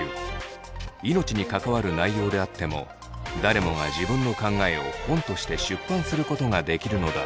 命に関わる内容であっても誰もが自分の考えを本として出版することができるのだ。